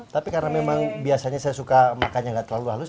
tapi karena memang biasanya saya suka makannya nggak terlalu halus